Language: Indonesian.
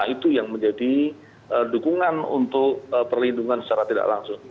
itu yang menjadi dukungan untuk perlindungan secara tidak langsung